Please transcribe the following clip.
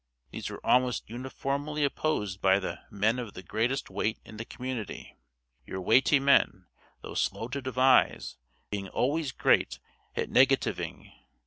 These were almost uniformly opposed by the "men of the greatest weight in the community;" your weighty men, though slow to devise, being always great at "negativing."